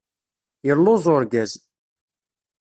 Yelluẓ urgaz.